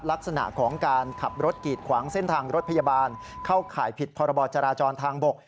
ลักษณะของการขับรถกีดขวางเส้นทางรถพยาบาลเข้าข่ายผิดพรบจราจรทางบก